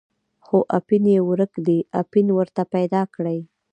خو اپین یې ورک دی، اپین ورته پیدا کړئ.